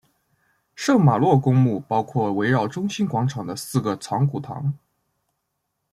圣玛洛公墓包括围绕中心广场的四个藏骨堂。